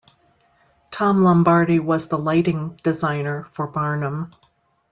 Tom Lombardi was the lighting designer for "Barnum".